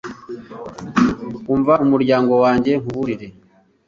Umva muryango wanjye nkuburire